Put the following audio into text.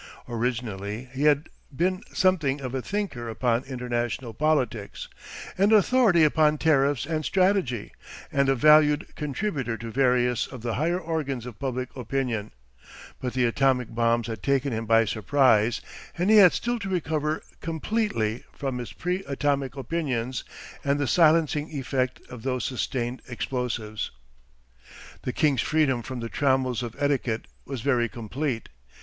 Originally he had been something of a thinker upon international politics, an authority upon tariffs and strategy, and a valued contributor to various of the higher organs of public opinion, but the atomic bombs had taken him by surprise, and he had still to recover completely from his pre atomic opinions and the silencing effect of those sustained explosives. The king's freedom from the trammels of etiquette was very complete.